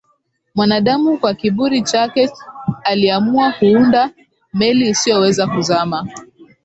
mwanadamu kwa kiburi chake aliamua kuunda meli isiyoweza kuzama